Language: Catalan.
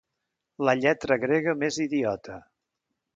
La lletra grega més idiota.